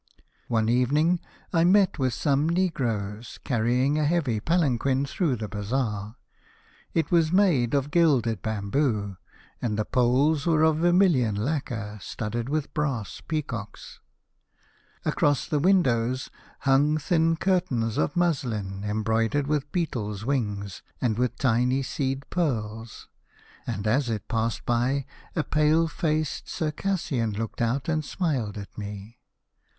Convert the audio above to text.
One evening I met some negroes carrying a heavy palanquin through the bazaar. It was made of gilded bamboo, and the poles were of vermilion lacquer studded with brass peacocks. Across the windows hung thin curtains of muslin embroidered with beetles' wings and with tiny seed pearls, and as it passed by a pale faced Circassian looked out and smiled at me.